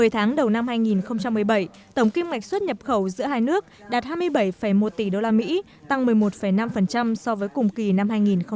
một mươi tháng đầu năm hai nghìn một mươi bảy tổng kim ngạch xuất nhập khẩu giữa hai nước đạt hai mươi bảy một tỷ usd tăng một mươi một năm so với cùng kỳ năm hai nghìn một mươi bảy